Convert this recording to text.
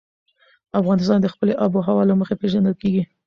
افغانستان د خپلې آب وهوا له مخې پېژندل کېږي.